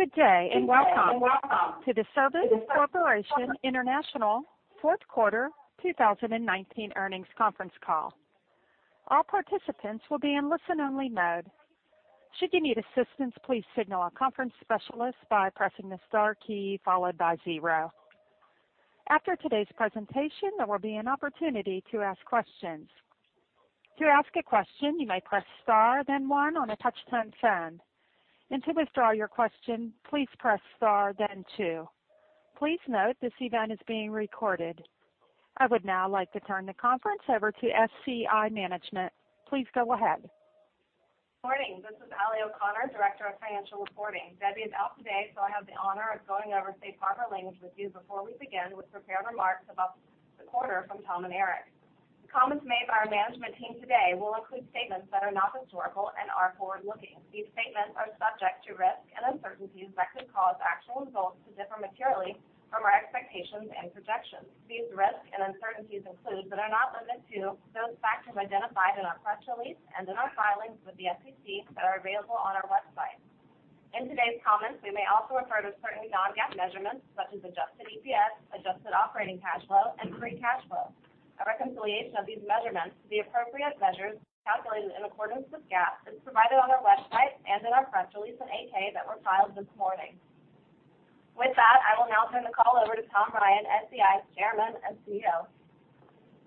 Good day and welcome to the Service Corporation International Q4 2019 earnings conference call. All participants will be in listen-only mode. Should you need assistance, please signal our conference specialist by pressing the star key followed by zero. After today's presentation, there will be an opportunity to ask questions. To ask a question, you may press star then one on a touch-tone phone, and to withdraw your question, please press star then two. Please note this event is being recorded. I would now like to turn the conference over to SCI management. Please go ahead. Morning. This is Allie O'Connor, Director of Financial Reporting. Debbie is out today, I have the honor of going over safe harbor language with you before we begin with prepared remarks about the quarter from Tom and Eric. Comments made by our management team today will include statements that are not historical and are forward-looking. These statements are subject to risks and uncertainties that could cause actual results to differ materially from our expectations and projections. These risks and uncertainties include, but are not limited to, those factors identified in our press release and in our filings with the SEC that are available on our website. In today's comments, we may also refer to certain non-GAAP measurements such as adjusted EPS, adjusted operating cash flow, and free cash flow. A reconciliation of these measurements to the appropriate measures calculated in accordance with GAAP is provided on our website and in our press release and 8-K that were filed this morning. With that, I will now turn the call over to Tom Ryan, SCI's Chairman and CEO.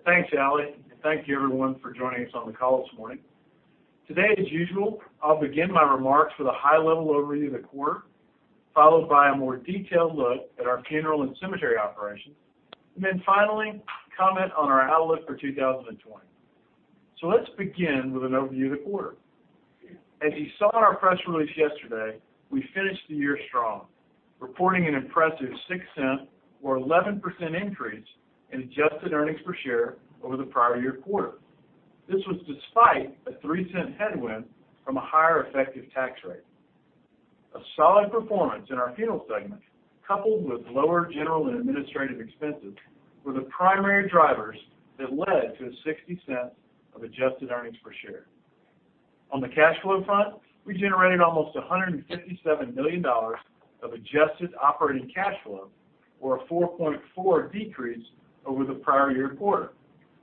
Thanks, Allie, thank you, everyone, for joining us on the call this morning. Today, as usual, I'll begin my remarks with a high-level overview of the quarter, followed by a more detailed look at our funeral and cemetery operations, finally, comment on our outlook for 2020. Let's begin with an overview of the quarter. As you saw in our press release yesterday, we finished the year strong, reporting an impressive $0.06 or 11% increase in adjusted earnings per share over the prior year quarter. This was despite a $0.03 headwind from a higher effective tax rate. A solid performance in our funeral segment, coupled with lower general and administrative expenses, were the primary drivers that led to a $0.60 of adjusted earnings per share. On the cash flow front, we generated almost $157 million of adjusted operating cash flow or a 4.4% decrease over the prior year quarter,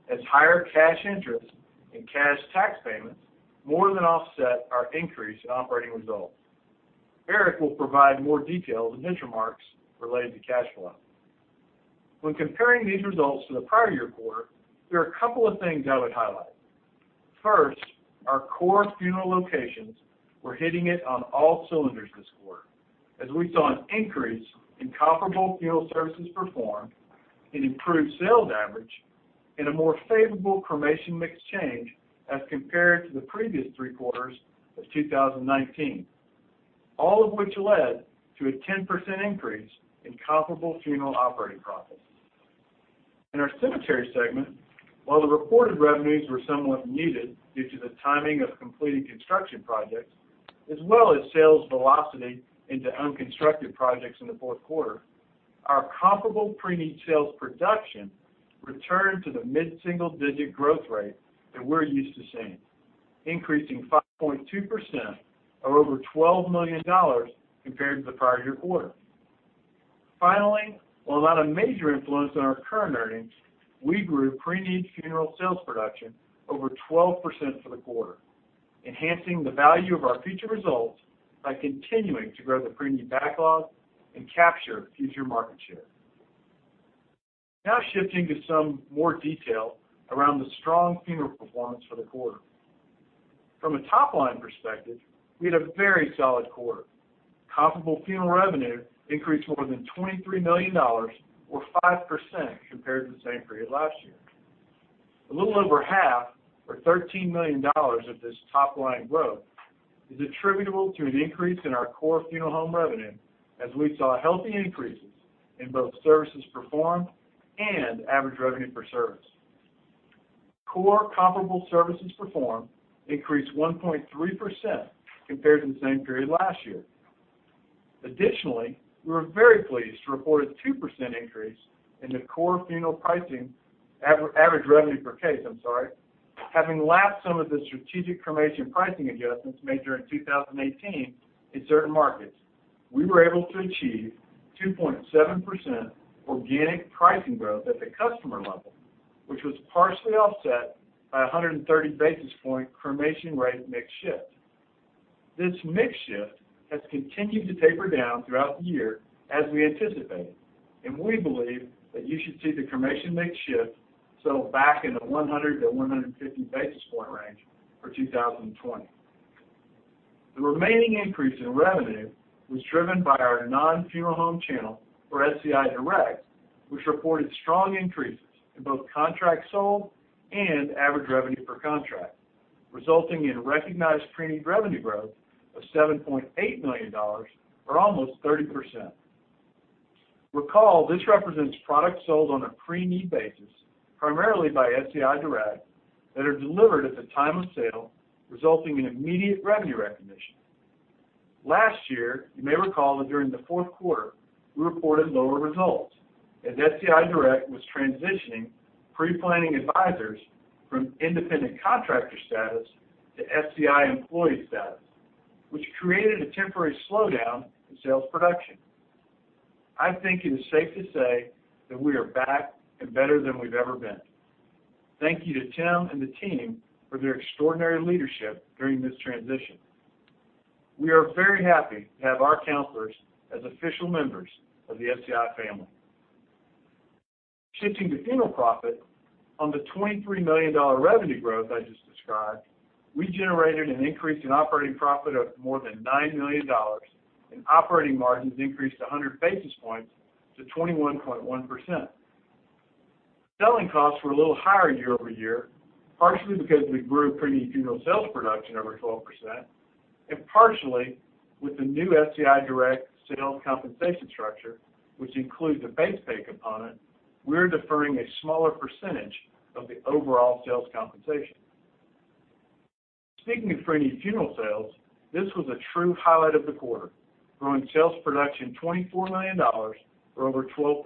as higher cash interest and cash tax payments more than offset our increase in operating results. Eric will provide more detail in his remarks related to cash flow. When comparing these results to the prior year quarter, there are a couple of things I would highlight. First, our core funeral locations were hitting it on all cylinders this quarter as we saw an increase in comparable funeral services performed, an improved sales average, and a more favorable cremation mix change as compared to the previous three quarters of 2019. All of which led to a 10% increase in comparable funeral operating profits. In our cemetery segment, while the reported revenues were somewhat muted due to the timing of completed construction projects as well as sales velocity into unconstructed projects in the Q4, our comparable pre-need sales production returned to the mid-single-digit growth rate that we're used to seeing, increasing 5.2% or over $12 million compared to the prior year quarter. Finally, while not a major influence on our current earnings, we grew pre-need funeral sales production over 12% for the quarter, enhancing the value of our future results by continuing to grow the pre-need backlog and capture future market share. Now shifting to some more detail around the strong funeral performance for the quarter. From a top-line perspective, we had a very solid quarter. Comparable funeral revenue increased more than $23 million or 5% compared to the same period last year. A little over half or $13 million of this top-line growth is attributable to an increase in our core funeral home revenue as we saw healthy increases in both services performed and average revenue per service. Core comparable services performed increased 1.3% compared to the same period last year. Additionally, we were very pleased to report a 2% increase in the core funeral pricing, average revenue per case, I'm sorry. Having lapped some of the strategic cremation pricing adjustments made during 2018 in certain markets, we were able to achieve 2.7% organic pricing growth at the customer level, which was partially offset by a 130 basis point cremation rate mix shift. This mix shift has continued to taper down throughout the year as we anticipated, and we believe that you should see the cremation mix shift settle back in the 100-150 basis point range for 2020. The remaining increase in revenue was driven by our non-funeral home channel for SCI Direct, which reported strong increases in both contracts sold and average revenue per contract, resulting in recognized preneed revenue growth of $7.8 million or almost 30%. Recall, this represents products sold on a preneed basis, primarily by SCI Direct, that are delivered at the time of sale, resulting in immediate revenue recognition. Last year, you may recall that during the Q4, we reported lower results as SCI Direct was transitioning pre-planning advisors from independent contractor status to SCI employee status, which created a temporary slowdown in sales production. I think it is safe to say that we are back and better than we've ever been. Thank you to Tim and the team for their extraordinary leadership during this transition. We are very happy to have our counselors as official members of the SCI family. Shifting to funeral profit on the $23 million revenue growth I just described, we generated an increase in operating profit of more than $9 million, and operating margins increased 100 basis points to 21.1%. Selling costs were a little higher year-over-year, partially because we grew preneed funeral sales production over 12%, and partially with the new SCI Direct sales compensation structure, which includes a base pay component, we're deferring a smaller percentage of the overall sales compensation. Speaking of preneed funeral sales, this was a true highlight of the quarter, growing sales production $24 million or over 12%.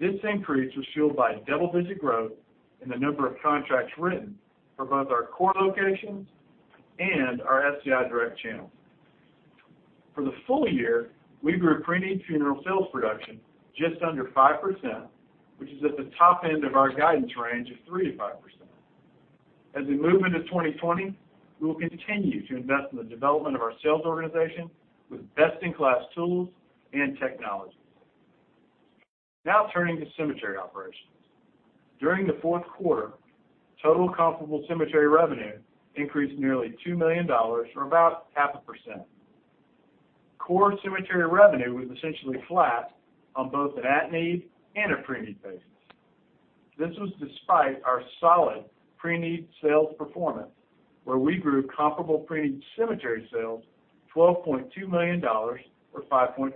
This increase was fueled by double-digit growth in the number of contracts written for both our core locations and our SCI Direct channel. For the full year, we grew preneed funeral sales production just under 5%, which is at the top end of our guidance range of 3%-5%. As we move into 2020, we will continue to invest in the development of our sales organization with best-in-class tools and technology. Now turning to cemetery operations. During the Q4, total comparable cemetery revenue increased nearly $2 million, or about half a percent. Core cemetery revenue was essentially flat on both an at-need and a preneed basis. This was despite our solid preneed sales performance, where we grew comparable preneed cemetery sales to $12.2 million, or 5.2%.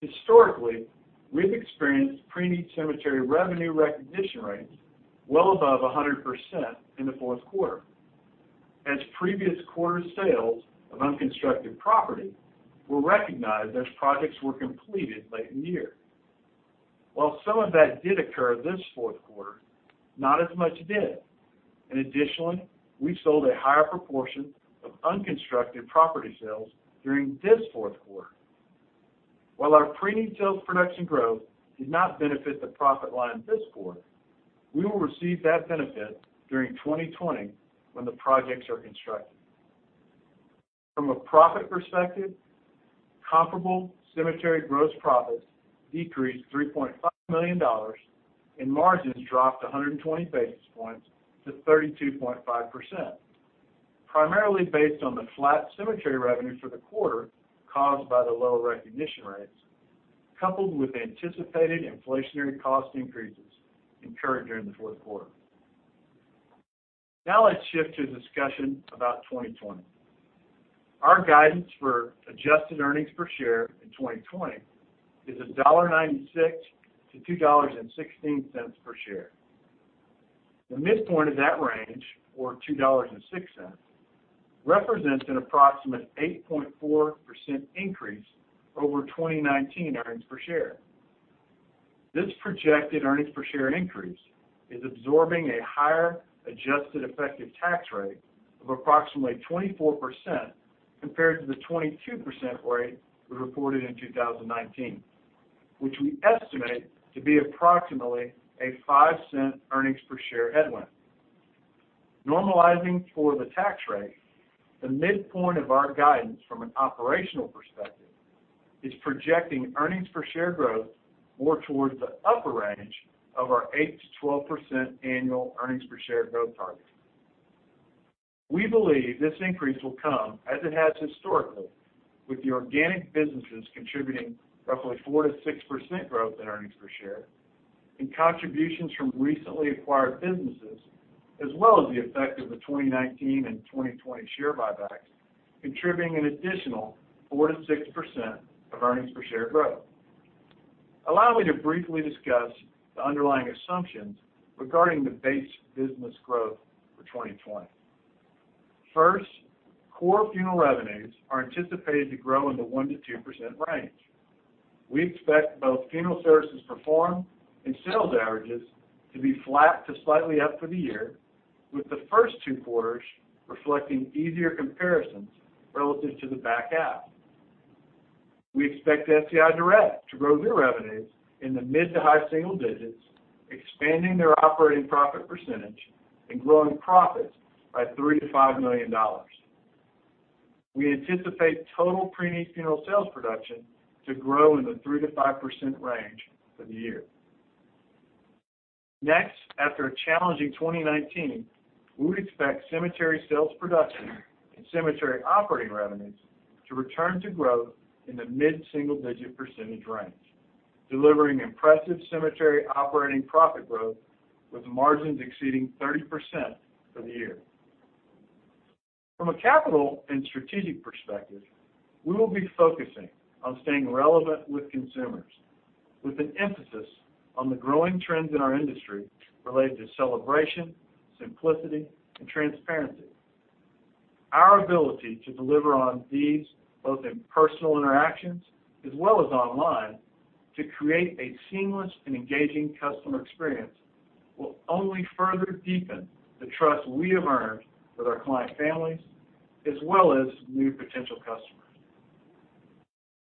Historically, we've experienced preneed cemetery revenue recognition rates well above 100% in the Q4 as previous quarter sales of unconstructed property were recognized as projects were completed late in the year. While some of that did occur this Q4, not as much did. Additionally, we sold a higher proportion of unconstructed property sales during this Q4. While our preneed sales production growth did not benefit the profit line this quarter, we will receive that benefit during 2020 when the projects are constructed. From a profit perspective, comparable cemetery gross profits decreased $3.5 million, and margins dropped 120 basis points to 32.5%, primarily based on the flat cemetery revenues for the quarter caused by the lower recognition rates, coupled with anticipated inflationary cost increases incurred during the Q4. Let's shift to a discussion about 2020. Our guidance for adjusted earnings per share in 2020 is $1.96-$2.16 per share. The midpoint of that range, or $2.06, represents an approximate 8.4% increase over 2019 earnings per share. This projected earnings per share increase is absorbing a higher adjusted effective tax rate of approximately 24%, compared to the 22% rate we reported in 2019, which we estimate to be approximately a $0.05 earnings per share headwind. Normalizing for the tax rate, the midpoint of our guidance from an operational perspective is projecting earnings per share growth more towards the upper range of our 8%-12% annual earnings per share growth target. We believe this increase will come, as it has historically, with the organic businesses contributing roughly 4%-6% growth in earnings per share and contributions from recently acquired businesses, as well as the effect of the 2019 and 2020 share buybacks, contributing an additional 4%-6% of earnings per share growth. Allow me to briefly discuss the underlying assumptions regarding the base business growth for 2020. First, core funeral revenues are anticipated to grow in the 1%-2% range. We expect both funeral services performed and sales averages to be flat to slightly up for the year, with the first two quarters reflecting easier comparisons relative to the back half. We expect SCI Direct to grow their revenues in the mid to high single digits, expanding their operating profit percentage and growing profits by $3 million-$5 million. We anticipate total preneed funeral sales production to grow in the 3%-5% range for the year. Next, after a challenging 2019, we would expect cemetery sales production and cemetery operating revenues to return to growth in the mid-single-digit percentage range, delivering impressive cemetery operating profit growth with margins exceeding 30% for the year. From a capital and strategic perspective, we will be focusing on staying relevant with consumers, with an emphasis on the growing trends in our industry related to celebration, simplicity, and transparency. Our ability to deliver on these, both in personal interactions as well as online, to create a seamless and engaging customer experience, will only further deepen the trust we have earned with our client families, as well as new potential customers.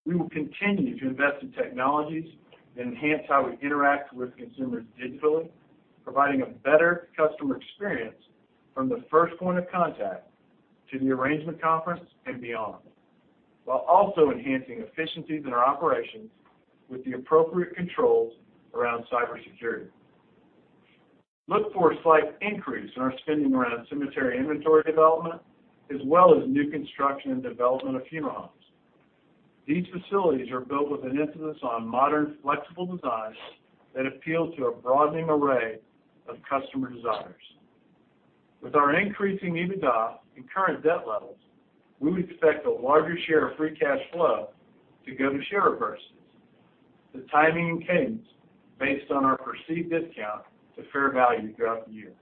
We will continue to invest in technologies that enhance how we interact with consumers digitally, providing a better customer experience from the first point of contact to the arrangement conference and beyond. While also enhancing efficiencies in our operations with the appropriate controls around cybersecurity. Look for a slight increase in our spending around cemetery inventory development, as well as new construction and development of funeral homes. These facilities are built with an emphasis on modern, flexible designs that appeal to a broadening array of customer desires. With our increasing EBITDA and current debt levels, we would expect a larger share of free cash flow to go to share repurchases, the timing and cadence based on our perceived discount to fair value throughout the year.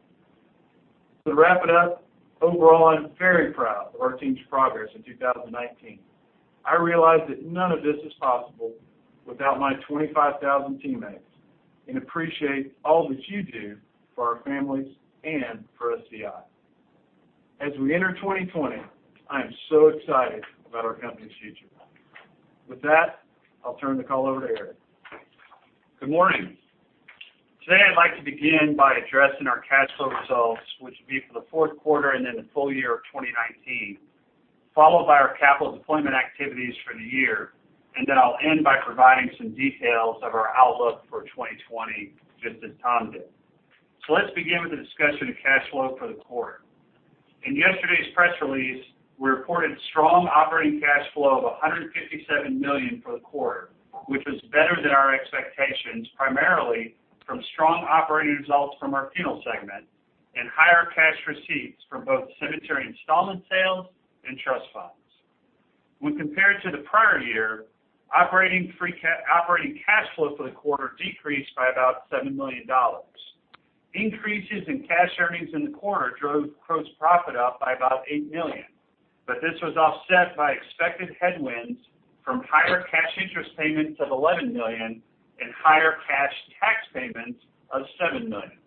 To wrap it up, overall, I'm very proud of our team's progress in 2019. I realize that none of this is possible without my 25,000 teammates, and appreciate all that you do for our families and for SCI. As we enter 2020, I am so excited about our company's future. With that, I'll turn the call over to Eric. Good morning. Today I'd like to begin by addressing our cash flow results, which would be for the Q4 and then the full year of 2019, followed by our capital deployment activities for the year, and then I'll end by providing some details of our outlook for 2020, just as Tom did. Let's begin with a discussion of cash flow for the quarter. In yesterday's press release, we reported strong operating cash flow of $157 million for the quarter, which was better than our expectations, primarily from strong operating results from our funeral segment and higher cash receipts from both cemetery installment sales and trust funds. When compared to the prior year, operating cash flow for the quarter decreased by about $7 million. Increases in cash earnings in the quarter drove gross profit up by about $8 million, but this was offset by expected headwinds from higher cash interest payments of $11 million and higher cash tax payments of $7 million.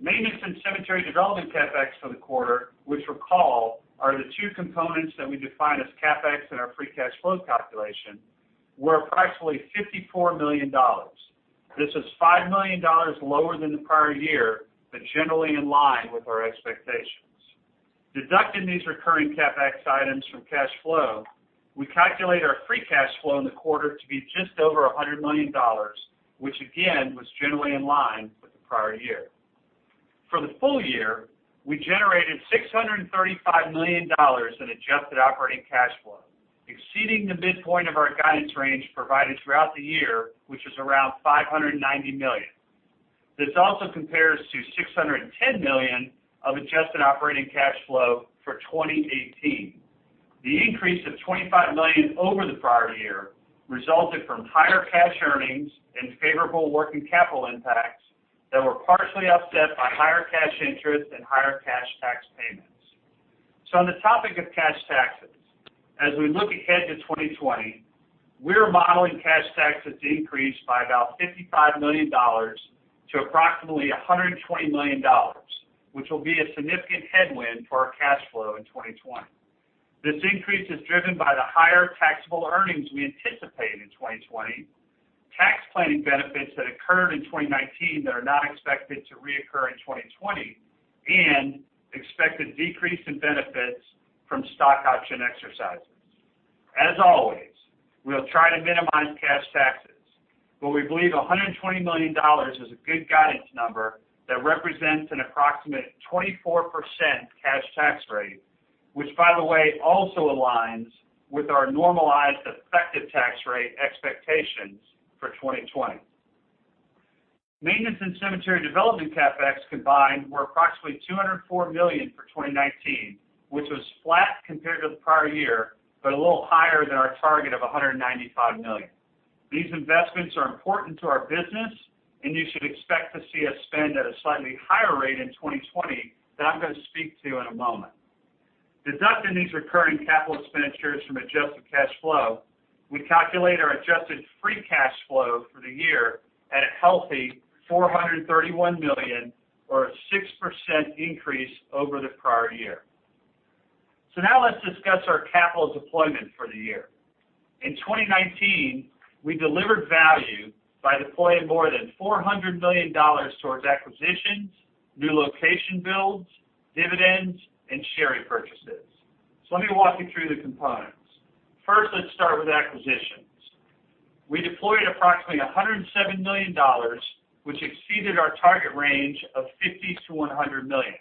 Maintenance and cemetery development CapEx for the quarter, which recall, are the two components that we define as CapEx in our free cash flow calculation, were approximately $54 million. This is $5 million lower than the prior year, but generally in line with our expectations. Deducting these recurring CapEx items from cash flow, we calculate our free cash flow in the quarter to be just over $100 million, which again, was generally in line with the prior year. For the full year, we generated $635 million in adjusted operating cash flow, exceeding the midpoint of our guidance range provided throughout the year, which was around $590 million. This also compares to $610 million of adjusted operating cash flow for 2018. The increase of $25 million over the prior year resulted from higher cash earnings and favorable working capital impacts that were partially offset by higher cash interest and higher cash tax payments. On the topic of cash taxes, as we look ahead to 2020, we're modeling cash taxes to increase by about $55 million to approximately $120 million, which will be a significant headwind for our cash flow in 2020. This increase is driven by the higher taxable earnings we anticipate in 2020, tax planning benefits that occurred in 2019 that are not expected to reoccur in 2020, and expected decrease in benefits from stock option exercises. As always, we'll try to minimize cash taxes. We believe $120 million is a good guidance number that represents an approximate 24% cash tax rate, which by the way, also aligns with our normalized effective tax rate expectations for 2020. Maintenance and cemetery development CapEx combined were approximately $204 million for 2019, which was flat compared to the prior year, but a little higher than our target of $195 million. These investments are important to our business. You should expect to see us spend at a slightly higher rate in 2020 that I'm going to speak to in a moment. Deducting these recurring capital expenditures from adjusted cash flow, we calculate our adjusted free cash flow for the year at a healthy $431 million or a 6% increase over the prior year. Now let's discuss our capital deployment for the year. In 2019, we delivered value by deploying more than $400 million towards acquisitions, new location builds, dividends, and share repurchases. Let me walk you through the components. First, let's start with acquisitions. We deployed approximately $107 million, which exceeded our target range of $50 million-$100 million.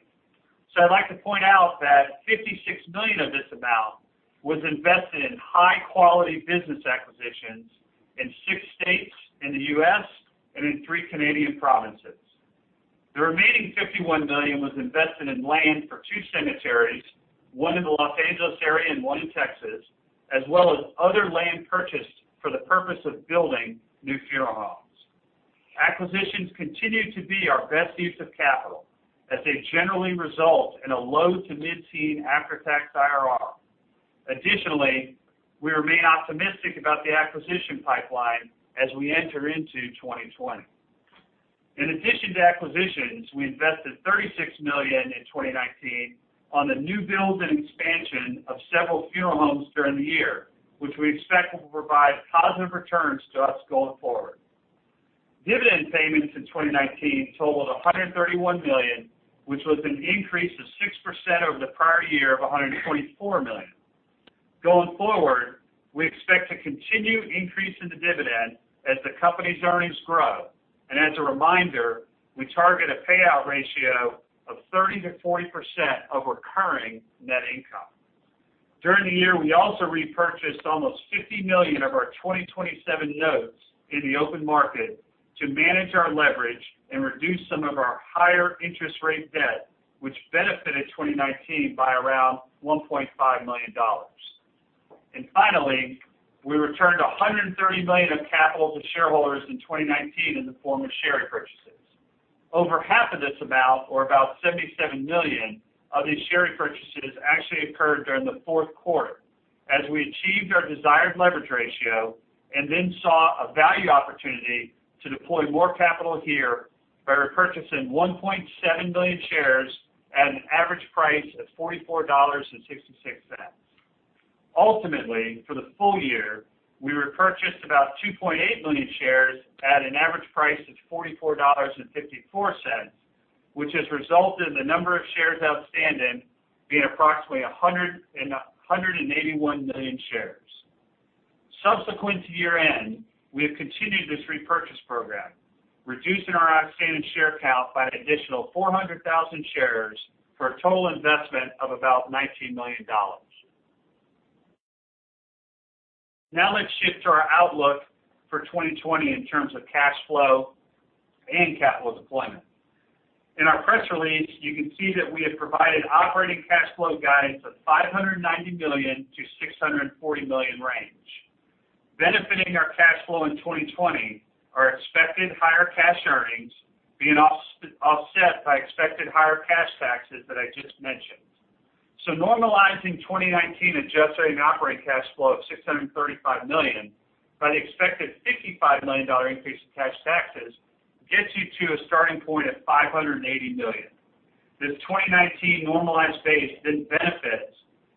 I'd like to point out that $56 million of this amount was invested in high-quality business acquisitions in six states in the U.S. and in three Canadian provinces. The remaining $51 million was invested in land for two cemeteries, one in the Los Angeles area and one in Texas, as well as other land purchased for the purpose of building new funeral homes. Acquisitions continue to be our best use of capital as they generally result in a low- to mid-teen after-tax IRR. Additionally, we remain optimistic about the acquisition pipeline as we enter into 2020. In addition to acquisitions, we invested $36 million in 2019 on the new builds and expansion of several funeral homes during the year, which we expect will provide positive returns to us going forward. Dividend payments in 2019 totaled $131 million, which was an increase of 6% over the prior year of $124 million. Going forward, we expect to continue increasing the dividend as the company's earnings grow. As a reminder, we target a payout ratio of 30%-40% of recurring net income. During the year, we also repurchased almost $50 million of our 2027 notes in the open market to manage our leverage and reduce some of our higher interest rate debt, which benefited 2019 by around $1.5 million. Finally, we returned $130 million of capital to shareholders in 2019 in the form of share repurchases. Over half of this amount or about $77 million of these share repurchases actually occurred during the Q4 as we achieved our desired leverage ratio and then saw a value opportunity to deploy more capital here by repurchasing 1.7 million shares at an average price of $44.66. Ultimately, for the full year, we repurchased about 2.8 million shares at an average price of $44.54, which has resulted in the number of shares outstanding being approximately 181 million shares. Subsequent to year-end, we have continued this repurchase program, reducing our outstanding share count by an additional 400,000 shares for a total investment of about $19 million. Now let's shift to our outlook for 2020 in terms of cash flow and capital deployment. In our press release, you can see that we have provided operating cash flow guidance of $590 million-$640 million range. Benefiting our cash flow in 2020 are expected higher cash earnings being offset by expected higher cash taxes that I just mentioned. Normalizing 2019 adjusted operating cash flow of $635 million by the expected $55 million increase in cash taxes gets you to a starting point of $580 million. This 2019 normalized base then benefits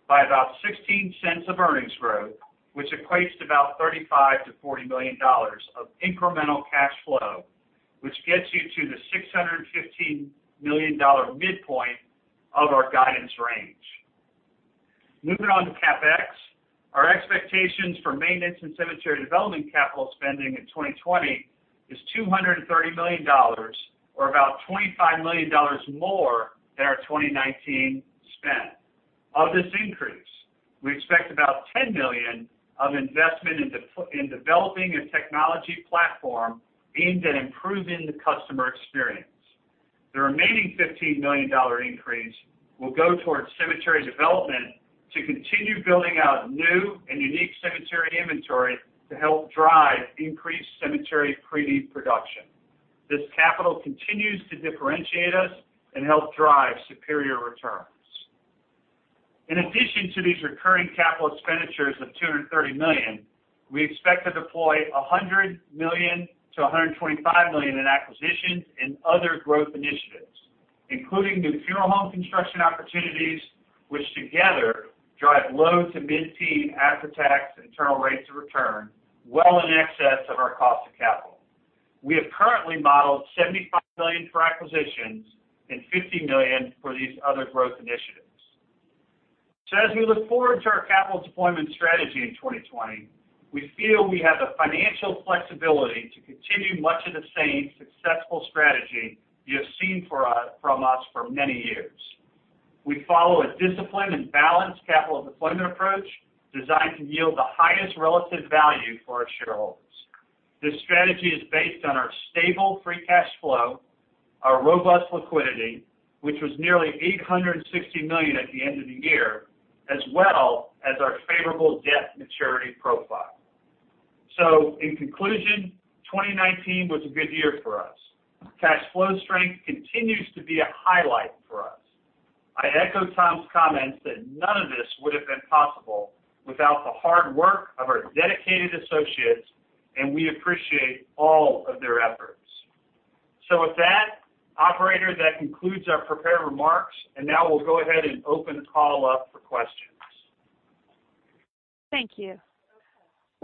by about $0.16 of earnings growth, which equates to about $35 million-$40 million of incremental cash flow, which gets you to the $615 million midpoint of our guidance range. Moving on to CapEx, our expectations for maintenance and cemetery development capital spending in 2020 is $230 million or about $25 million more than our 2019 spend. Of this increase, we expect about $10 million of investment in developing a technology platform aimed at improving the customer experience. The remaining $15 million increase will go towards cemetery development to continue building out new and unique cemetery inventory to help drive increased cemetery preneed production. This capital continues to differentiate us and help drive superior returns. In addition to these recurring capital expenditures of $230 million, we expect to deploy $100 million to $125 million in acquisitions and other growth initiatives, including new funeral home construction opportunities, which together drive low- to mid-teen after-tax internal rates of return well in excess of our cost of capital. We have currently modeled $75 million for acquisitions and $50 million for these other growth initiatives. As we look forward to our capital deployment strategy in 2020, we feel we have the financial flexibility to continue much of the same successful strategy you have seen from us for many years. We follow a disciplined and balanced capital deployment approach designed to yield the highest relative value for our shareholders. This strategy is based on our stable free cash flow, our robust liquidity, which was nearly $860 million at the end of the year, as well as our favorable debt maturity profile. In conclusion, 2019 was a good year for us. Cash flow strength continues to be a highlight for us. I echo Tom's comments that none of this would have been possible without the hard work of our dedicated associates, and we appreciate all of their efforts. With that, operator, that concludes our prepared remarks, and now we'll go ahead and open the call up for questions. Thank you.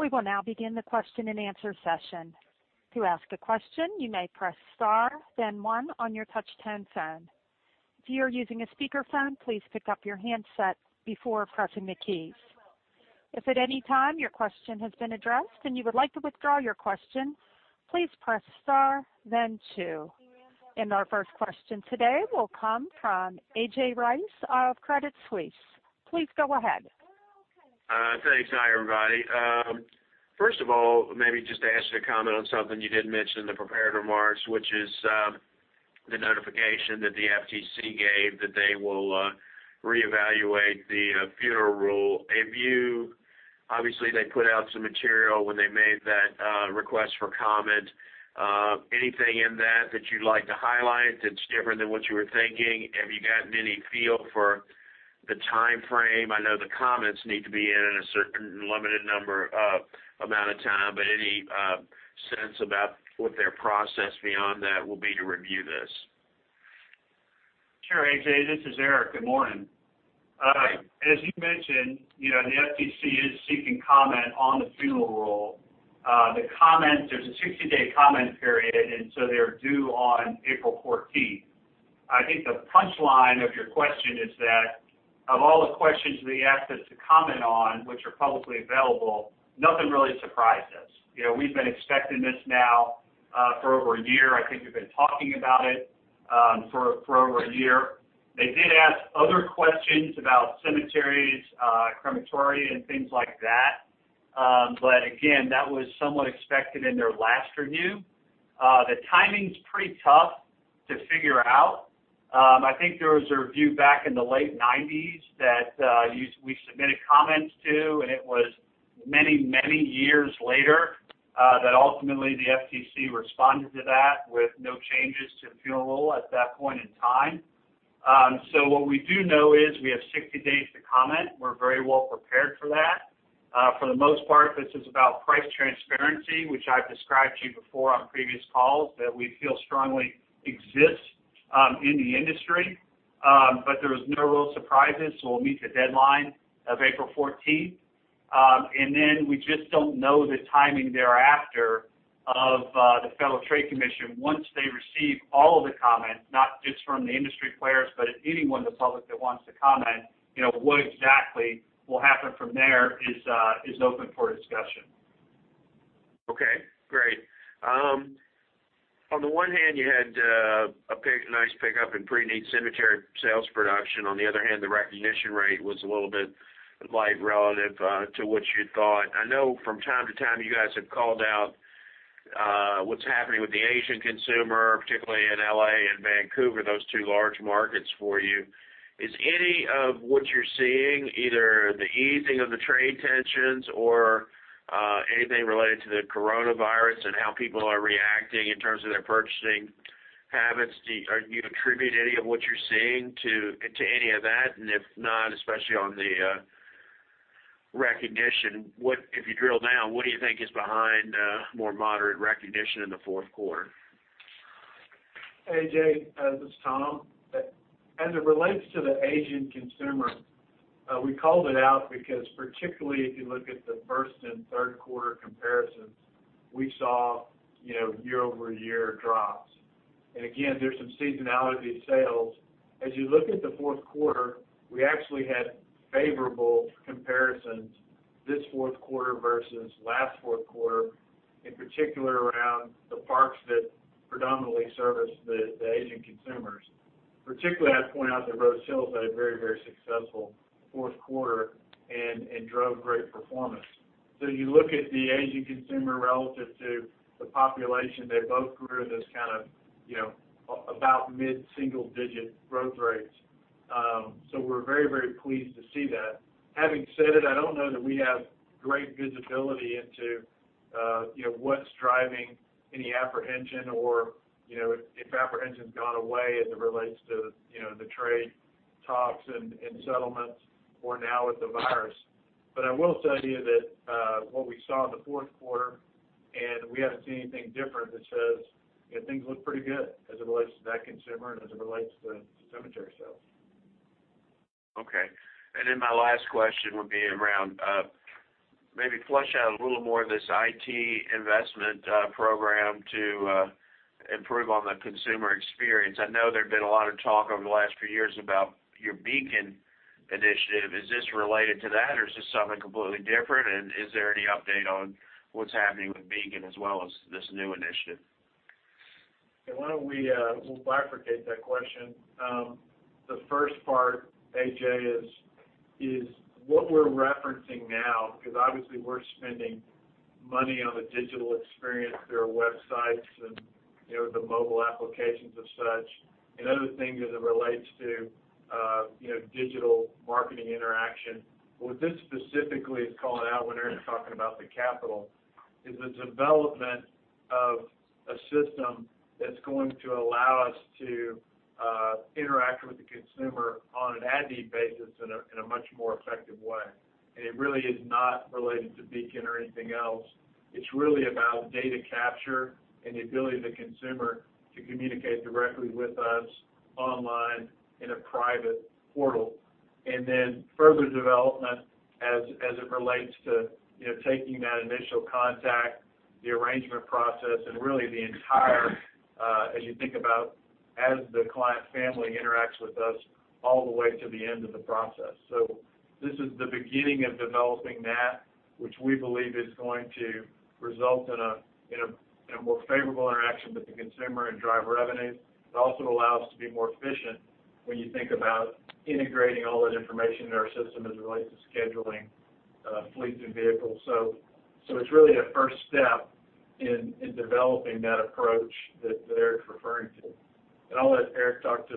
We will now begin the question and answer session. To ask a question, you may press star then one on your touch-tone phone. If you are using a speakerphone, please pick up your handset before pressing the keys. If at any time your question has been addressed and you would like to withdraw your question, please press star then two. Our first question today will come from A.J. Rice of Credit Suisse. Please go ahead. Thanks. Hi, everybody. First of all, maybe just to ask you to comment on something you did mention in the prepared remarks, which is. The notification that the FTC gave that they will reevaluate the Funeral Rule. Obviously, they put out some material when they made that request for comment. Anything in that you'd like to highlight that's different than what you were thinking? Have you gotten any feel for the timeframe? I know the comments need to be in a certain limited number of amount of time. Any sense about what their process beyond that will be to review this? Sure, A.J., this is Eric. Good morning. Hi. As you mentioned, the FTC is seeking comment on the Funeral Rule. There's a 60-day comment period. They're due on April 14th. I think the punchline of your question is that of all the questions they asked us to comment on, which are publicly available, nothing really surprised us. We've been expecting this now for over a year. I think we've been talking about it for over a year. They did ask other questions about cemeteries, crematoria, and things like that. Again, that was somewhat expected in their last review. The timing's pretty tough to figure out. I think there was a review back in the late 1990s that we submitted comments to. It was many years later that ultimately the FTC responded to that with no changes to the Funeral Rule at that point in time. What we do know is we have 60 days to comment. We're very well prepared for that. For the most part, this is about price transparency, which I've described to you before on previous calls that we feel strongly exists in the industry. There was no real surprises, so we'll meet the deadline of April 14th. We just don't know the timing thereafter of the Federal Trade Commission. Once they receive all of the comments, not just from the industry players, but anyone in the public that wants to comment, what exactly will happen from there is open for discussion. Okay, great. On the one hand, you had a nice pickup in preneed cemetery sales production. On the other hand, the recognition rate was a little bit light relative to what you'd thought. I know from time to time, you guys have called out what's happening with the Asian consumer, particularly in L.A. and Vancouver, those two large markets for you. Is any of what you're seeing, either the easing of the trade tensions or anything related to the coronavirus and how people are reacting in terms of their purchasing habits, do you attribute any of what you're seeing to any of that? And if not, especially on the recognition, if you drill down, what do you think is behind more moderate recognition in the Q4? A.J., this is Tom. As it relates to the Asian consumer, we called it out because particularly if you look at the first and Q3 comparisons, we saw year-over-year drops. Again, there's some seasonality to sales. As you look at the Q4, we actually had favorable comparisons this Q4 versus last Q4, in particular around the parks that predominantly service the Asian consumers. Particularly, I'd point out that Rose Hills had a very successful Q4 and drove great performance. You look at the Asian consumer relative to the population, they both grew in this kind of about mid-single-digit growth rates. We're very pleased to see that. Having said it, I don't know that we have great visibility into what's driving any apprehension or if apprehension's gone away as it relates to the trade talks and settlements or now with the virus. I will tell you that what we saw in the Q4, and we haven't seen anything different that says things look pretty good as it relates to that consumer and as it relates to cemetery sales. Okay. My last question would be around maybe flesh out a little more this IT investment program to improve on the consumer experience. I know there'd been a lot of talk over the last few years about your Beacon initiative. Is this related to that, or is this something completely different, and is there any update on what's happening with Beacon as well as this new initiative? Why don't we bifurcate that question? The first part, A.J., is what we're referencing now, because obviously we're spending money on the digital experience through our websites and the mobile applications as such, and other things as it relates to digital marketing interaction. What this specifically is calling out when Eric's talking about the capital is the development of a system that's going to allow us to interact with the consumer on an at need basis in a much more effective way. It really is not related to Beacon or anything else. It's really about data capture and the ability of the consumer to communicate directly with us online in a private portal. Further development as it relates to taking that initial contact, the arrangement process, and really the entire, as you think about as the client family interacts with us all the way to the end of the process. This is the beginning of developing that, which we believe is going to result in a more favorable interaction with the consumer and drive revenues. It also allows us to be more efficient when you think about integrating all that information in our system as it relates to scheduling fleets and vehicles. It's really a first step in developing that approach that Eric's referring to. I'll let Eric talk to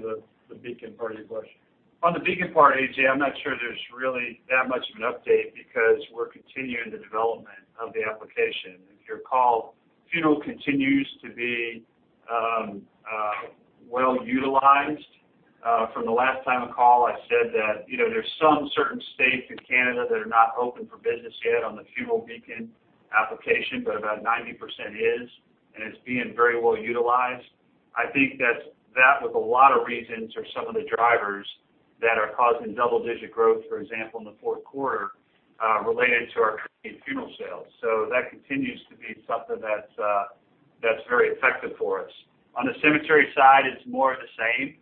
the Beacon part of your question. On the Beacon part, A.J., I'm not sure there's really that much of an update because we're continuing the development of the application. If you recall, Funeral continues to be well-utilized. From the last time I call, I said that there's some certain states in Canada that are not open for business yet on the Funeral Beacon application, but about 90% is, and it's being very well-utilized. I think that with a lot of reasons or some of the drivers that are causing double-digit growth, for example, in the Q4, related to our current Funeral sales. That continues to be something that's very effective for us. On the cemetery side, it's more of the same.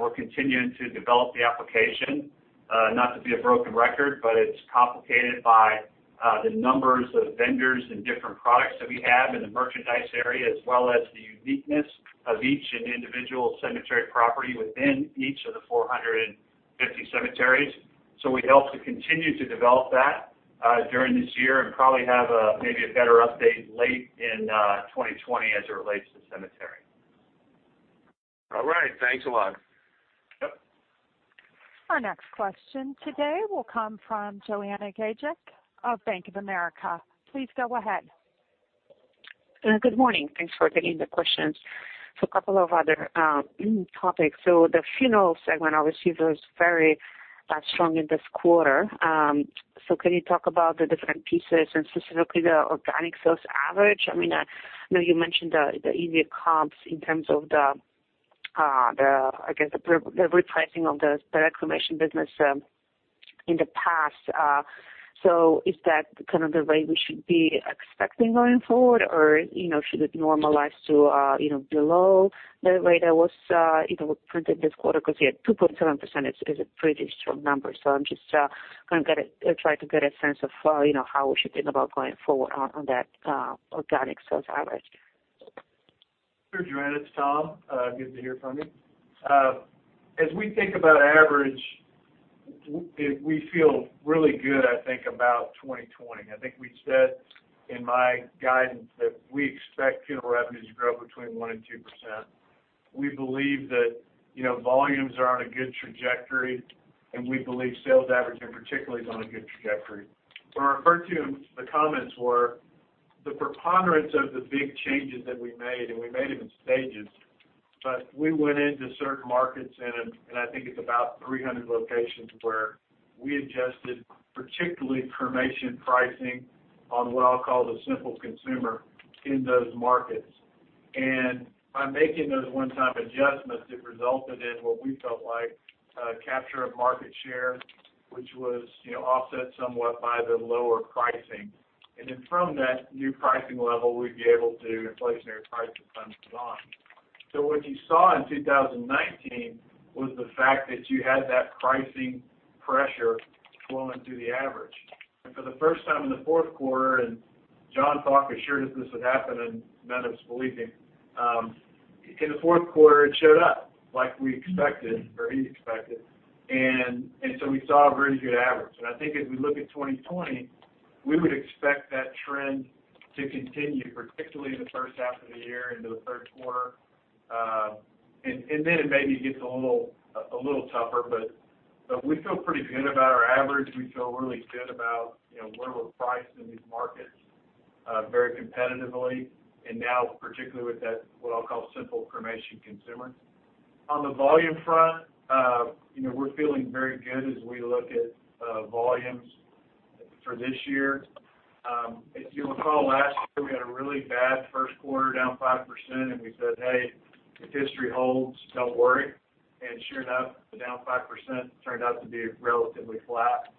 We're continuing to develop the application. Not to be a broken record, it's complicated by the numbers of vendors and different products that we have in the merchandise area, as well as the uniqueness of each individual cemetery property within each of the 450 cemeteries. We hope to continue to develop that during this year and probably have maybe a better update late in 2020 as it relates to cemetery. All right. Thanks a lot. Yep. Our next question today will come from Joanna Gajuk of Bank of America. Please go ahead. Good morning. Thanks for taking the questions. A couple of other topics. The funeral segment, obviously, was very strong in this quarter. Can you talk about the different pieces and specifically the organic sales average? I know you mentioned the easier comps in terms of the repricing of the cremation business in the past. Is that kind of the way we should be expecting going forward, or should it normalize to below the rate that was printed this quarter? Because, yeah, 2.7% is a pretty strong number. I'm just going to try to get a sense of how we should think about going forward on that organic sales average. Sure, Joanna, it's Tom. Good to hear from you. As we think about average, we feel really good, I think, about 2020. I think we said in my guidance that we expect Funeral revenues to grow between 1% and 2%. We believe that volumes are on a good trajectory, and we believe sales average in particular is on a good trajectory. When I referred to the comments were the preponderance of the big changes that we made, and we made them in stages, but we went into certain markets, and I think it's about 300 locations where we adjusted, particularly cremation pricing, on what I'll call the simple consumer in those markets. By making those one-time adjustments, it resulted in what we felt like a capture of market share, which was offset somewhat by the lower pricing. From that new pricing level, we'd be able to inflationary price from then on. What you saw in 2019 was the fact that you had that pricing pressure flowing through the average. For the first time in the Q4, John talked, assured us this would happen, and none of us believe him. In the Q4, it showed up like we expected, or he expected. We saw a very good average. I think as we look at 2020, we would expect that trend to continue, particularly in the H1 of the year into the Q3. It maybe gets a little tougher, but we feel pretty good about our average. We feel really good about where we're priced in these markets very competitively, and now particularly with that, what I'll call, simple cremation consumer. On the volume front, we're feeling very good as we look at volumes for this year. If you'll recall, last year, we had a really bad Q1, down 5%, and we said, "Hey, if history holds, don't worry." Sure enough, the down 5% turned out to be relatively flat.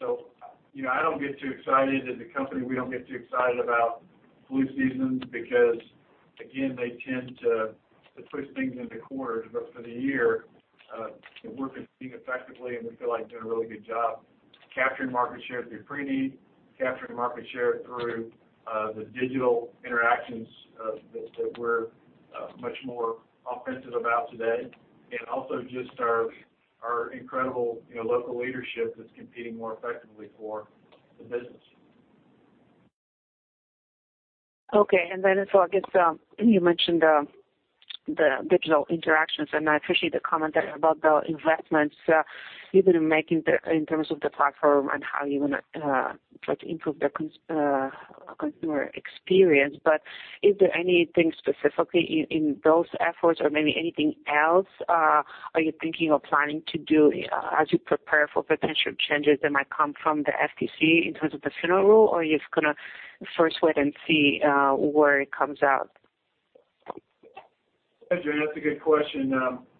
I don't get too excited, as a company, we don't get too excited about flu seasons because, again, they tend to push things into quarters. For the year, we're competing effectively, and we feel like doing a really good job capturing market share through preneed, capturing market share through the digital interactions that we're much more offensive about today. Also just our incredible local leadership that's competing more effectively for the business. Okay. As well, I guess you mentioned the digital interactions, and I appreciate the comment about the investments you've been making in terms of the platform and how you want to try to improve the consumer experience. Is there anything specifically in those efforts or maybe anything else are you thinking of planning to do as you prepare for potential changes that might come from the FTC in terms of the Funeral Rule? Are you just going to first wait and see where it comes out? Joanna, that's a good question.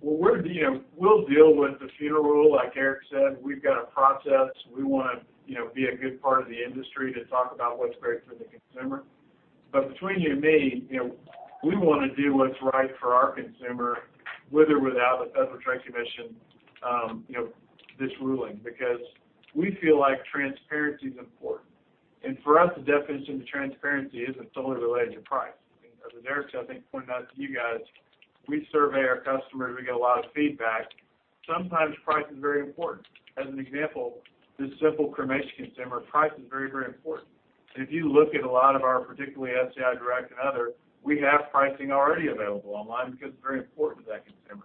We'll deal with the Funeral Rule. Like Eric said, we've got a process. We want to be a good part of the industry to talk about what's great for the consumer. Between you and me, we want to do what's right for our consumer, with or without the Federal Trade Commission, this ruling, because we feel like transparency is important. For us, the definition of transparency isn't solely related to price. As Eric, I think, pointed out to you guys, we survey our customers, we get a lot of feedback. Sometimes price is very important. As an example, the simple cremation consumer, price is very important. If you look at a lot of our, particularly SCI Direct and others, we have pricing already available online because it's very important to that consumer.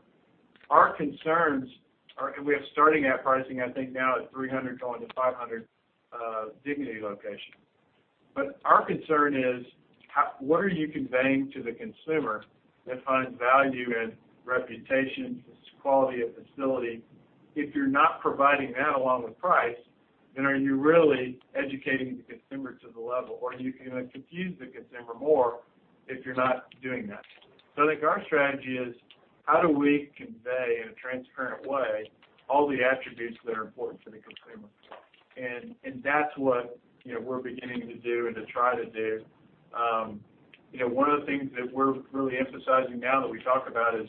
We have starting at pricing, I think now at 300 going to 500 dignity locations. Our concern is, what are you conveying to the consumer that finds value in reputation, quality of facility? If you're not providing that along with price, are you really educating the consumer to the level, or are you going to confuse the consumer more if you're not doing that? I think our strategy is, how do we convey in a transparent way all the attributes that are important to the consumer? That's what we're beginning to do and to try to do. One of the things that we're really emphasizing now that we talk about is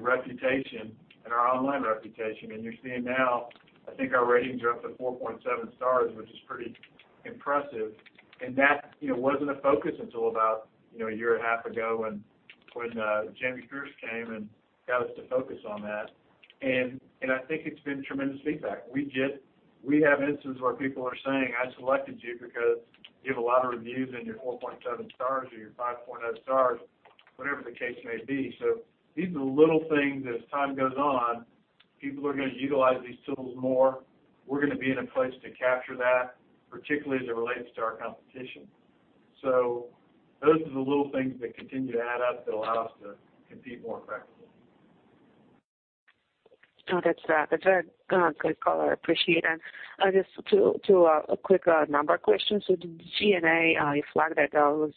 reputation and our online reputation. You're seeing now, I think our ratings are up to 4.7 stars, which is pretty impressive. That wasn't a focus until about a year and a half ago when Jamie Pierce came and got us to focus on that. I think it's been tremendous feedback. We have instances where people are saying, "I selected you because you have a lot of reviews and you're 4.7 stars or you're 5.0 stars," whatever the case may be. These are the little things as time goes on, people are going to utilize these tools more. We're going to be in a place to capture that, particularly as it relates to our competition. Those are the little things that continue to add up that allow us to compete more effectively. No, that's a good call. I appreciate it. Just two quick number questions. The G&A, you flagged that was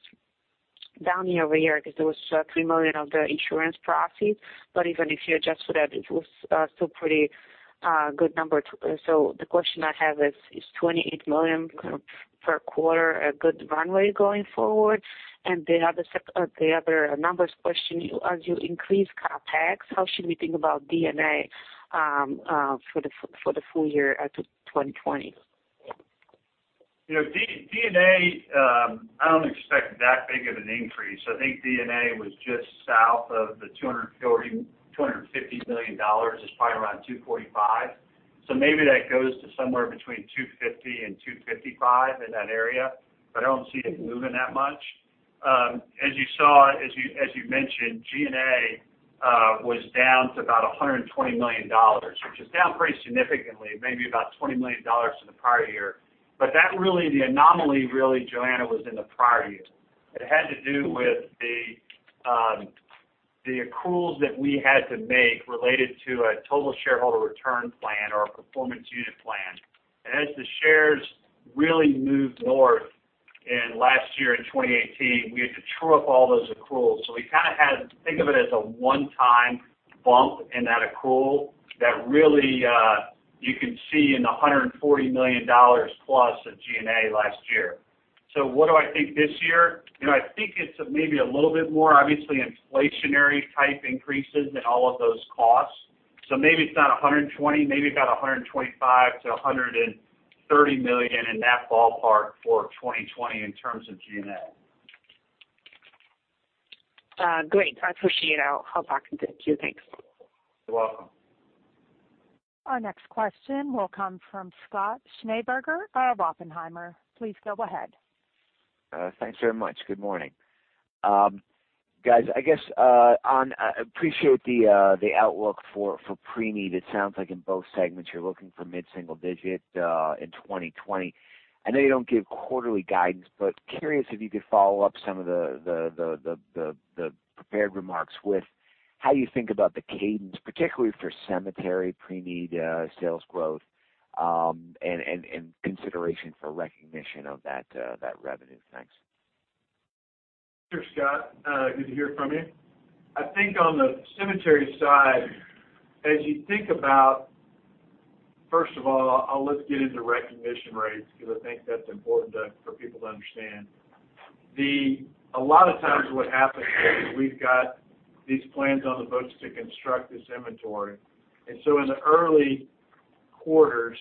down year-over-year because there was $3 million of the insurance proceeds. Even if you adjust for that, it was still pretty good number. The question I have is $28 million per quarter a good runway going forward? The other numbers question, as you increase CapEx, how should we think about D&A for the full year to 2020? D&A, I don't expect that big of an increase. I think D&A was just south of the $250 million. It's probably around $245 million. Maybe that goes to somewhere between $250 million and $255 million in that area, but I don't see it moving that much. As you mentioned, G&A was down to about $120 million, which is down pretty significantly, maybe about $20 million from the prior year. The anomaly really, Joanna, was in the prior year. It had to do with the accruals that we had to make related to a total shareholder return plan or a performance unit plan. As the shares really moved north in last year in 2018, we had to true up all those accruals. Think of it as a one-time bump in that accrual that really you can see in the $140 million-plus of G&A last year. What do I think this year? I think it's maybe a little bit more, obviously, inflationary type increases in all of those costs. Maybe it's not $120, maybe about $125 million-$130 million in that ballpark for 2020 in terms of G&A. Great. I appreciate it. I'll talk to you. Thanks. You're welcome. Our next question will come from Scott Schneeberger of Oppenheimer. Please go ahead. Thanks very much. Good morning. Guys, I appreciate the outlook for preneed. It sounds like in both segments, you're looking for mid-single digit in 2020. I know you don't give quarterly guidance, but curious if you could follow up some of the prepared remarks with how you think about the cadence, particularly for cemetery preneed sales growth, and consideration for recognition of that revenue. Thanks. Sure, Scott. Good to hear from you. I think on the cemetery side, first of all, let's get into recognition rates because I think that's important for people to understand. A lot of times what happens is we've got these plans on the books to construct this inventory. In the early quarters,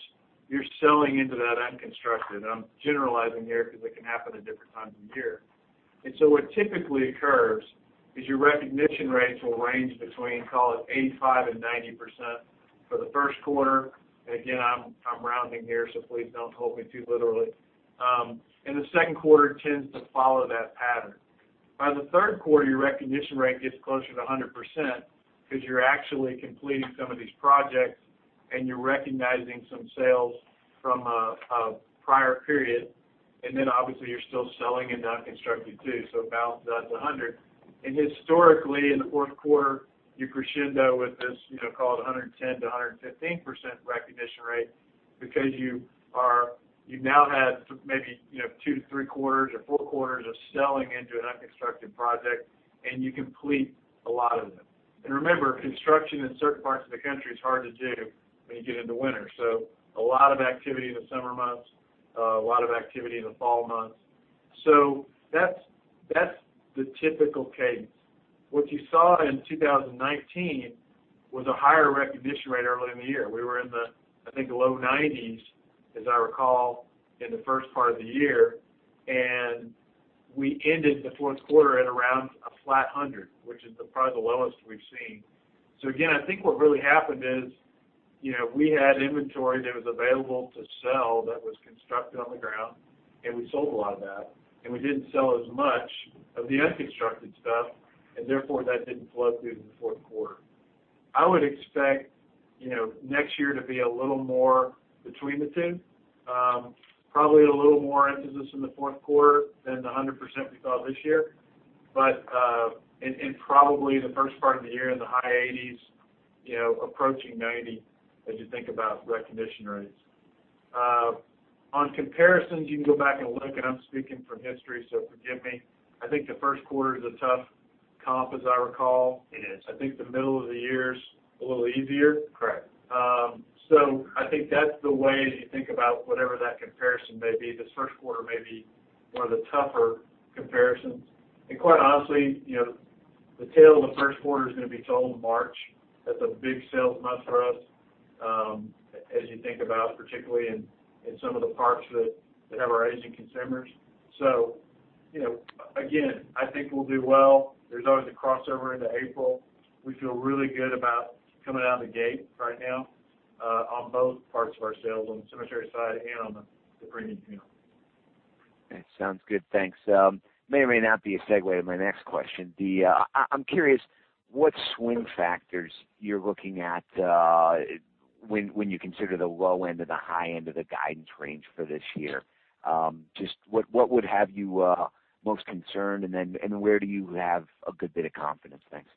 you're selling into that unconstructed. I'm generalizing here because it can happen at different times of year. What typically occurs is your recognition rates will range between, call it, 85% and 90% for the Q1. Again, I'm rounding here, so please don't hold me too literally. The Q2 tends to follow that pattern. By the Q3, your recognition rate gets closer to 100% because you're actually completing some of these projects and you're recognizing some sales from a prior period. Obviously, you're still selling and not constructing, too. It balances out to 100. Historically, in the Q4, you crescendo with this, call it, 110%-115% recognition rate because you've now had maybe two to three quarters or four quarters of selling into an unconstructed project, and you complete a lot of them. Remember, construction in certain parts of the country is hard to do when you get into winter. A lot of activity in the summer months, a lot of activity in the fall months. That's the typical cadence. What you saw in 2019 was a higher recognition rate early in the year. We were in the, I think, the low 90s, as I recall, in the first part of the year, and we ended the Q4 at around a flat 100, which is probably the lowest we've seen. Again, I think what really happened is, we had inventory that was available to sell that was constructed on the ground, and we sold a lot of that. We didn't sell as much of the unconstructed stuff, and therefore, that didn't flow through to the Q4. I would expect next year to be a little more between the two. Probably a little more emphasis in the Q4 than the 100% we saw this year. Probably the first part of the year in the high 80s, approaching 90 as you think about recognition rates. On comparisons, you can go back and look, and I'm speaking from history, so forgive me. I think the Q1 is a tough comp, as I recall. It is. I think the middle of the year is a little easier. Correct. I think that's the way as you think about whatever that comparison may be. This Q1 may be one of the tougher comparisons. Quite honestly, the tale of the Q1 is going to be told in March. That's a big sales month for us, as you think about, particularly in some of the parts that have our aging consumers. Again, I think we'll do well. There's always a crossover into April. We feel really good about coming out of the gate right now, on both parts of our sales, on the cemetery side and on the premium funeral. Okay. Sounds good. Thanks. May or may not be a segue to my next question. I'm curious what swing factors you're looking at, when you consider the low end or the high end of the guidance range for this year. Just what would have you most concerned, and where do you have a good bit of confidence? Thanks.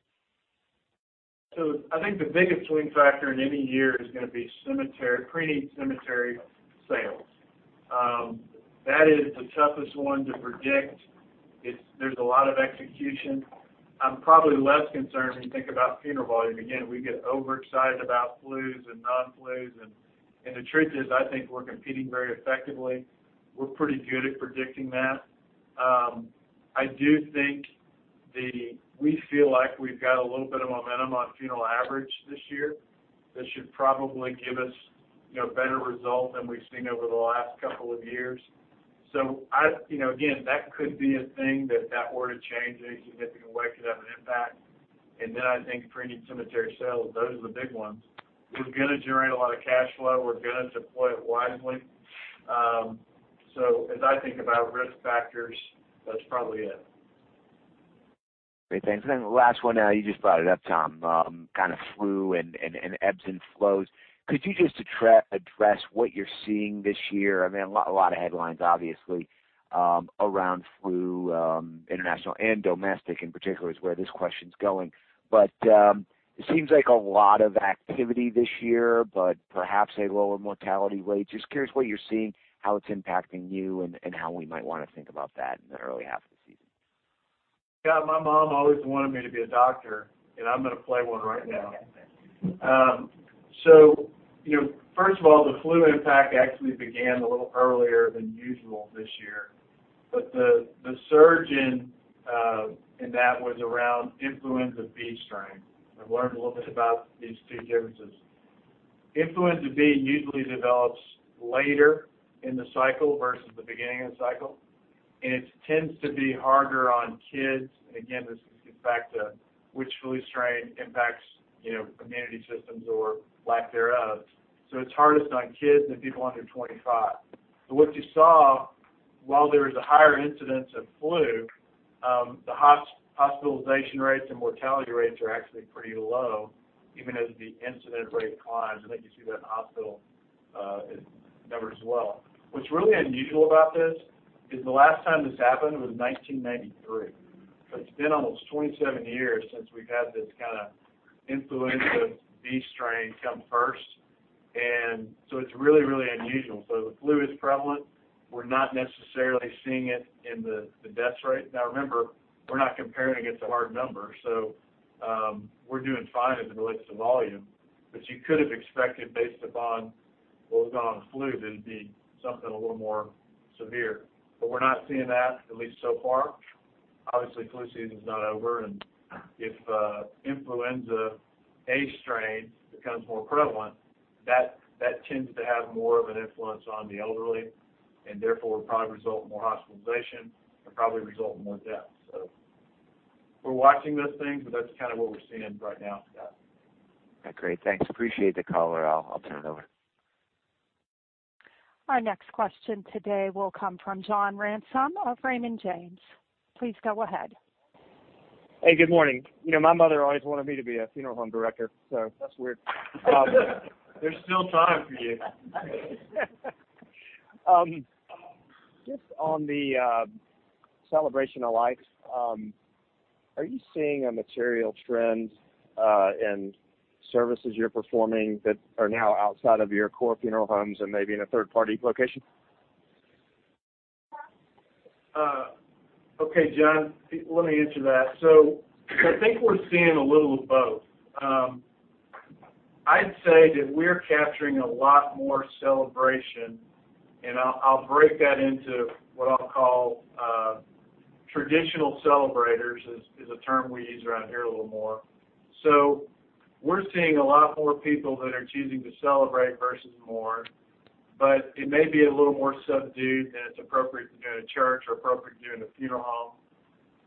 I think the biggest swing factor in any year is going to be preneed cemetery sales. That is the toughest one to predict. There's a lot of execution. I'm probably less concerned when you think about funeral volume. We get overexcited about flus and non-flus, and the truth is, I think we're competing very effectively. We're pretty good at predicting that. I do think we feel like we've got a little bit of momentum on funeral average this year that should probably give us better result than we've seen over the last couple of years. Again, that could be a thing that were to change in a significant way, could have an impact. I think preneed cemetery sales, those are the big ones. We're going to generate a lot of cash flow. We're going to deploy it wisely. As I think about risk factors, that's probably it. Great. Thanks. The last one now, you just brought it up, Tom, kind of flu and ebbs and flows. Could you just address what you're seeing this year? A lot of headlines, obviously, around flu, international and domestic in particular is where this question's going. It seems like a lot of activity this year, but perhaps a lower mortality rate. Just curious what you're seeing, how it's impacting you, and how we might want to think about that in the early half of the season. Yeah, my mom always wanted me to be a doctor, and I'm going to play one right now. Okay, thank you. First of all, the flu impact actually began a little earlier than usual this year. The surge in that was around influenza B strain. I've learned a little bit about these two differences. influenza B usually develops later in the cycle versus the beginning of the cycle, and it tends to be harder on kids. Again, this gets back to which flu strain impacts immunity systems or lack thereof. It's hardest on kids and people under 25. What you saw, while there was a higher incidence of flu, the hospitalization rates and mortality rates are actually pretty low, even as the incident rate climbs. I think you see that in hospital numbers as well. What's really unusual about this is the last time this happened was 1993. It's been almost 27 years since we've had this kind of influenza B strain come first, and it's really, really unusual. The flu is prevalent. We're not necessarily seeing it in the deaths rate. Now remember, we're not comparing against a hard number. We're doing fine as it relates to volume, but you could have expected, based upon what was going on with flu, that it'd be something a little more severe. We're not seeing that, at least so far. Obviously, flu season's not over, and if influenza A strain becomes more prevalent, that tends to have more of an influence on the elderly, and therefore would probably result in more hospitalization and probably result in more deaths. We're watching those things, but that's kind of what we're seeing right now, Scott. Great. Thanks. Appreciate the color. I'll turn it over. Our next question today will come from John Ransom of Raymond James. Please go ahead. Hey, good morning. My mother always wanted me to be a funeral home director, so that's weird. There's still time for you. Just on the celebration of life, are you seeing a material trend in services you're performing that are now outside of your core funeral homes and maybe in a third-party location? Okay, John, let me answer that. I think we're seeing a little of both. I'd say that we're capturing a lot more celebration, and I'll break that into what I'll call traditional celebrators, is a term we use around here a little more. We're seeing a lot more people that are choosing to celebrate versus mourn. It may be a little more subdued than it's appropriate to do in a church or appropriate to do in a funeral home.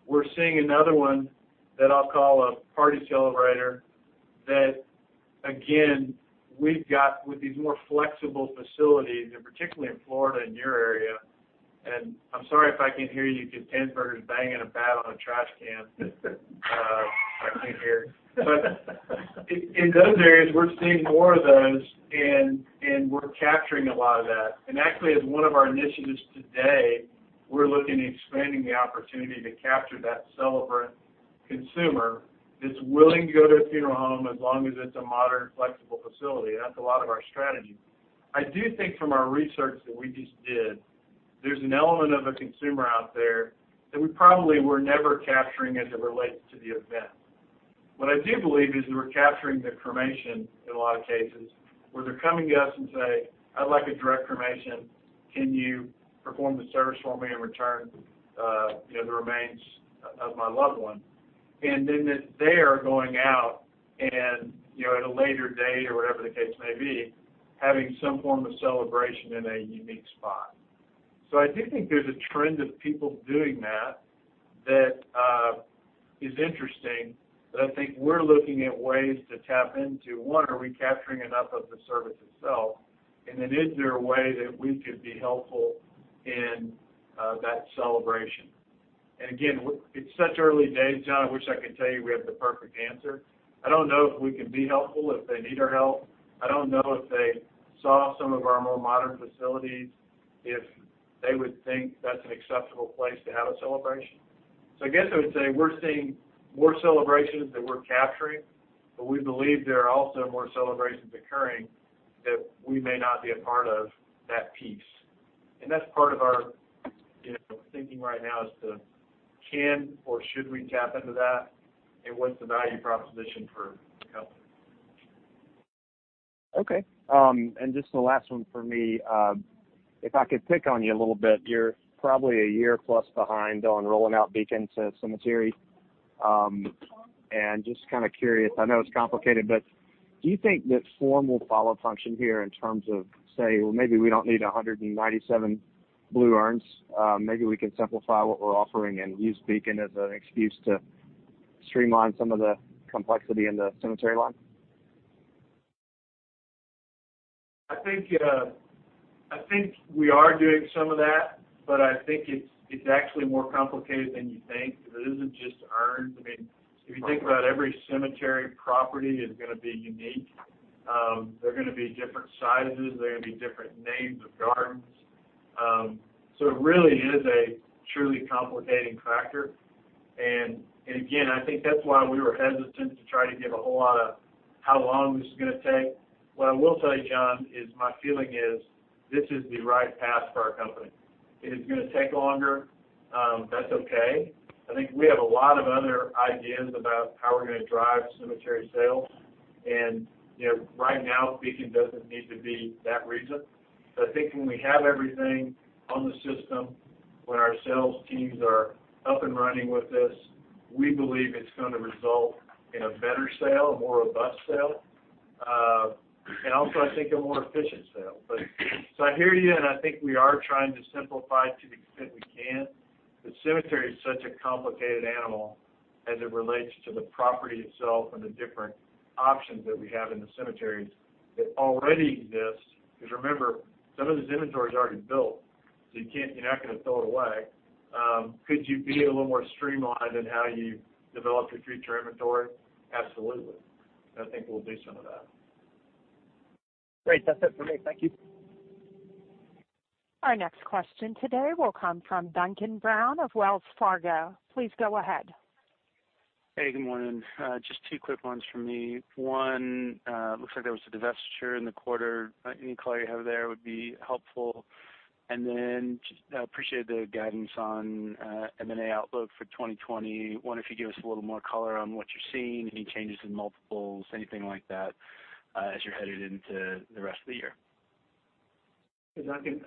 We're seeing another one that I'll call a party celebrator, that, again, we've got with these more flexible facilities, and particularly in Florida, in your area. I'm sorry if I can't hear you because Dan Berger's banging a bat on a trash can. I can't hear. In those areas, we're seeing more of those, and we're capturing a lot of that. Actually, as one of our initiatives today, we're looking at expanding the opportunity to capture that celebrant consumer that's willing to go to a funeral home as long as it's a modern, flexible facility. That's a lot of our strategy. I do think from our research that we just did, there's an element of a consumer out there that we probably were never capturing as it relates to the event. What I do believe is we're capturing the cremation in a lot of cases, where they're coming to us and say, "I'd like a direct cremation. Can you perform the service for me and return the remains of my loved one?" Then that they are going out and, at a later date or whatever the case may be, having some form of celebration in a unique spot. I do think there's a trend of people doing that is interesting. I think we're looking at ways to tap into, one, are we capturing enough of the service itself? Is there a way that we could be helpful in that celebration? Again, it's such early days, John, I wish I could tell you we have the perfect answer. I don't know if we can be helpful, if they need our help. I don't know if they saw some of our more modern facilities, if they would think that's an acceptable place to have a celebration. I guess I would say we're seeing more celebrations that we're capturing, but we believe there are also more celebrations occurring that we may not be a part of that piece. That's part of our thinking right now is to can or should we tap into that? What's the value proposition for helping? Okay. Just the last one for me. If I could pick on you a little bit, you're probably a year plus behind on rolling out Beacon to cemetery. Just kind of curious, I know it's complicated, but do you think that form will follow function here in terms of, say, well, maybe we don't need 197 blue urns. Maybe we can simplify what we're offering and use Beacon as an excuse to streamline some of the complexity in the cemetery line? I think we are doing some of that, but I think it's actually more complicated than you think, because it isn't just urns. If you think about every cemetery property is going to be unique. They're going to be different sizes. They're going to be different names of gardens. It really is a truly complicating factor. Again, I think that's why we were hesitant to try to give a whole lot of how long this is going to take. What I will tell you, John, is my feeling is this is the right path for our company. If it's going to take longer, that's okay. I think we have a lot of other ideas about how we're going to drive cemetery sales. Right now, Beacon doesn't need to be that reason. I think when we have everything on the system, when our sales teams are up and running with this, we believe it's going to result in a better sale, a more robust sale. Also, I think a more efficient sale. So I hear you, and I think we are trying to simplify to the extent we can. Cemetery is such a complicated animal as it relates to the property itself and the different options that we have in the cemeteries that already exist. Remember, some of this inventory is already built, so you're not going to throw it away. Could you be a little more streamlined in how you develop your future inventory? Absolutely. I think we'll do some of that. Great. That's it for me. Thank you. Our next question today will come from Duncan Brown of Wells Fargo. Please go ahead. Hey, good morning. Just two quick ones from me. One, looks like there was a divestiture in the quarter. Any color you have there would be helpful. Just appreciate the guidance on M&A outlook for 2021, if you could give us a little more color on what you're seeing, any changes in multiples, anything like that, as you're headed into the rest of the year. Duncan,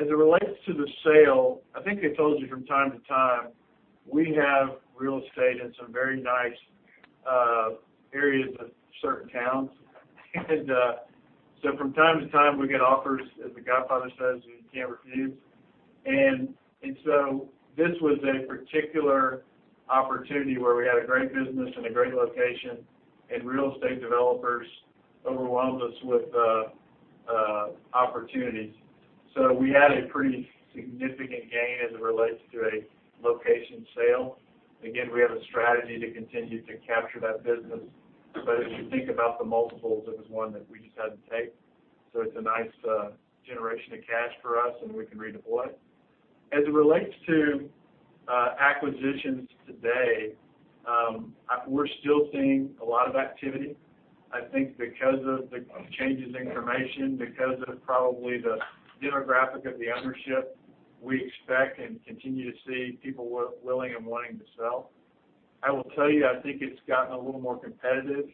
as it relates to the sale, I think I told you from time to time, we have real estate in some very nice areas of certain towns. From time to time, we get offers, as The Godfather says, we can't refuse. This was a particular opportunity where we had a great business and a great location, and real estate developers overwhelmed us with opportunities. We had a pretty significant gain as it relates to a location sale. Again, we have a strategy to continue to capture that business. As you think about the multiples, it was one that we just had to take. It's a nice generation of cash for us, and we can redeploy. As it relates to acquisitions today, we're still seeing a lot of activity. I think because of the changes in cremation, because of probably the demographic of the ownership. We expect and continue to see people willing and wanting to sell. I will tell you, I think it's gotten a little more competitive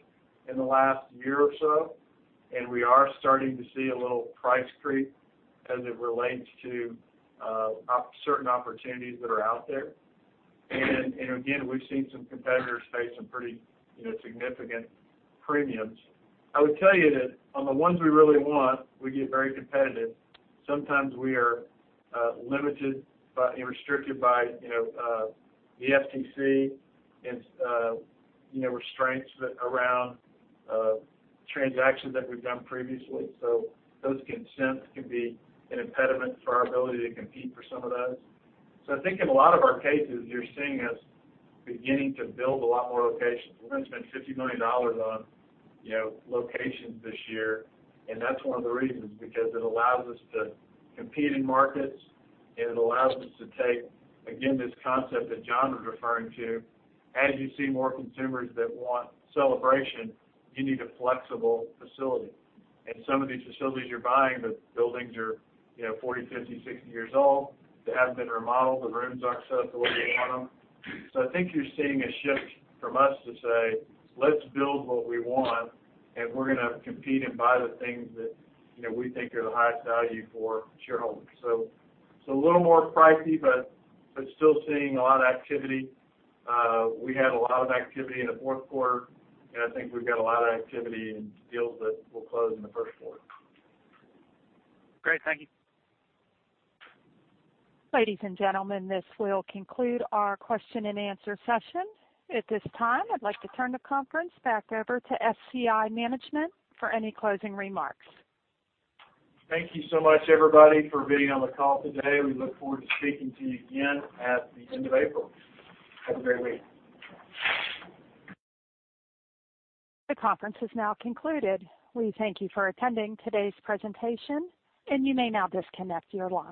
in the last year or so, we are starting to see a little price creep as it relates to certain opportunities that are out there. Again, we've seen some competitors pay some pretty significant premiums. I would tell you that on the ones we really want, we get very competitive. Sometimes we are limited by and restricted by the FTC and restraints around transactions that we've done previously. Those consents can be an impediment for our ability to compete for some of those. I think in a lot of our cases, you're seeing us beginning to build a lot more locations. We're going to spend $50 million on locations this year. That's one of the reasons, because it allows us to compete in markets, and it allows us to take, again, this concept that John was referring to, as you see more consumers that want celebration, you need a flexible facility. Some of these facilities you're buying, the buildings are 40, 50, 60 years old. They haven't been remodeled, the rooms aren't set up the way we want them. I think you're seeing a shift from us to say, "Let's build what we want, and we're going to compete and buy the things that we think are the highest value for shareholders." It's a little more pricey, but still seeing a lot of activity. We had a lot of activity in the Q4, and I think we've got a lot of activity in deals that will close in the Q1. Great. Thank you. Ladies and gentlemen, this will conclude our question and answer session. At this time, I'd like to turn the conference back over to SCI management for any closing remarks. Thank you so much, everybody, for being on the call today. We look forward to speaking to you again at the end of April. Have a great week. The conference has now concluded. We thank you for attending today's presentation, and you may now disconnect your line.